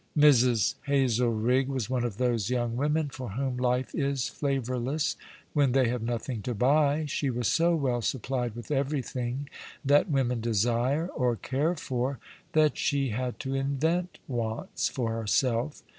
Mrs. Hazelrigg was one of those young women for whom life is flavourless when they have nothing to buy. She was so well supplied with everything that women desire or care for that she had to invent v/ants for herself.